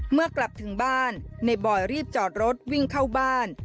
เมื่อกลับถึงบ้านในบอยรีบจอดรถวิ่งเข้าบ้าน